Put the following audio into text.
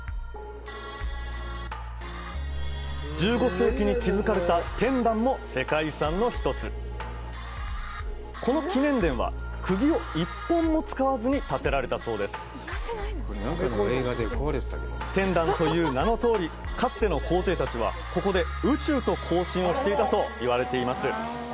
１５世紀に築かれた天壇も世界遺産の１つこの祈年殿はくぎを１本も使わずに建てられたそうです天壇という名のとおりかつての皇帝たちはここで宇宙と交信をしていたといわれています